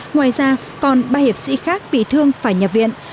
ngoài ra còn ba hiệp sĩ khác bị thương phải nhập viện